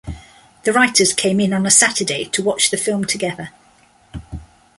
The writers came in on a Saturday to watch the film together.